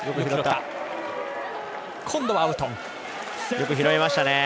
よく拾いましたね。